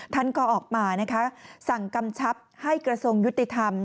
ท่านก็ออกมานะคะสั่งกำชับให้กระทรวงยุติธรรม